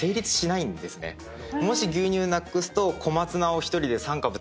もし牛乳なくすと。